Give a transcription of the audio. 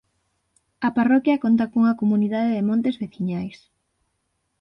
A parroquia conta cunha comunidade de montes veciñais.